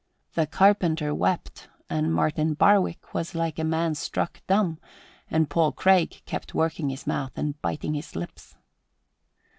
The carpenter wept and Martin Barwick was like a man struck dumb and Paul Craig kept working his mouth and biting at his lips.